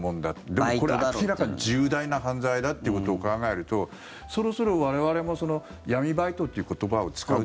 でもこれは明らかに重大な犯罪だっていうことを考えるとそろそろ我々も闇バイトっていう言葉を使う時に。